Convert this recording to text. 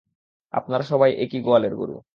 আপনারা সবাই একই গোয়ালের গরু!